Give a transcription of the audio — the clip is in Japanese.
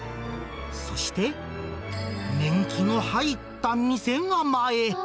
そして、年季の入った店構え。